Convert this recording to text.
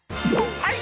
はい！